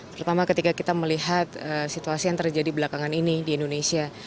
terutama ketika kita melihat situasi yang terjadi belakangan ini di indonesia